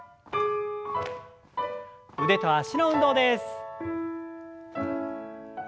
腕と脚の運動です。